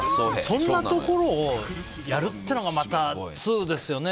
そんなところをやるっていうのがまた、通ですよね。